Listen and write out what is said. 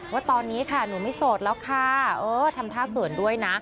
ว่าตอนนี้ค่ะหนูไม่โสดแล้วค่ะเออทำท่าเขินด้วยนะ